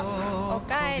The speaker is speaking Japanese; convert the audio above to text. おかえり。